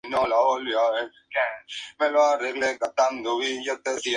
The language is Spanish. El cuerpo de Bárbara nunca se recuperó".